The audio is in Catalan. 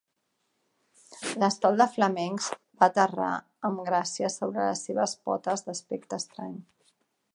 L'estol de flamencs va aterrar amb gràcia sobre les seves potes d'aspecte estrany.